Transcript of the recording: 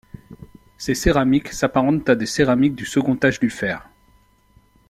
Ces céramiques s'apparentent à des céramiques du second âge du Fer.